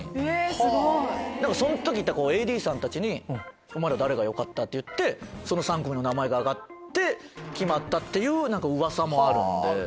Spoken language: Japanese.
すごい！その時にいたＡＤさんたちに誰がよかった？っていってその３組の名前が挙がって決まったっていううわさもある。